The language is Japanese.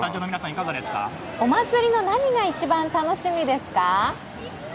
お祭りの何が一番楽しみですか？